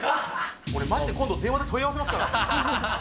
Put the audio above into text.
俺、まじで電話で問い合わせますから。